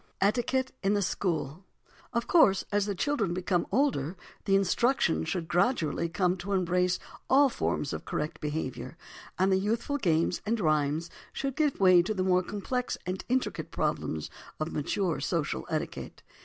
ETIQUETTE IN THE SCHOOL Of course, as the children become older, the instruction should gradually come to embrace all forms of correct behaviour, and the youthful games and rhymes should give way to the more complex and intricate problems of mature social etiquette.